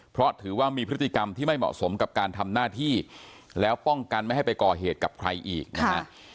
เพราะถือว่ามีพฤติกรรมที่ไม่เหมาะสมกับการทำหน้าที่แล้วป้องกันไม่ให้ไปก่อเหตุกับใครอีกนะฮะ